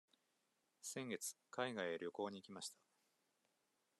先月海外へ旅行に行きました。